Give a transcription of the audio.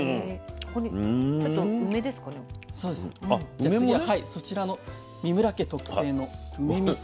じゃ次はそちらの三村家特製の梅みそ。